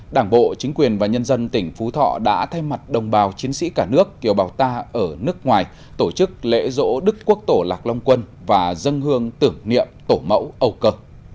đảng bộ chính quyền và nhân dân tỉnh phú thọ đã thay mặt đồng bào chiến sĩ cả nước kiều bào ta ở nước ngoài tổ chức lễ dỗ đức quốc tổ lạc long quân và dân hương tưởng niệm tổ mẫu âu cơ